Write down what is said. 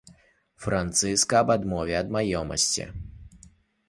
Францыска аб адмове ад маёмасці.